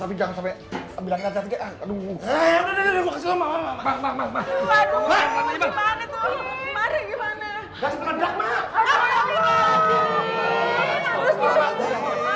tapi jangan sampai bilangnya aduh udah gue kasih mama mama mama